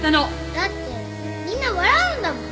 だってみんな笑うんだもん！